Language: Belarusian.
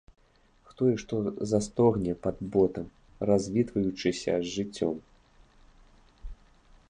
Хто і што застогне пад ботам, развітваючыся з жыццём?